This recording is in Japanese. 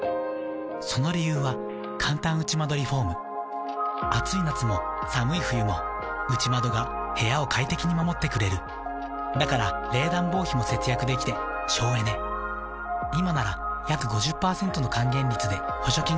その理由はかんたん内窓リフォーム暑い夏も寒い冬も内窓が部屋を快適に守ってくれるだから冷暖房費も節約できて省エネ「内窓プラマードＵ」ＹＫＫＡＰ